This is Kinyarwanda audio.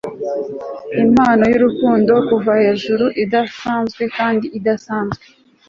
impano yurukundo kuva hejuru, idasanzwe kandi idasanzwe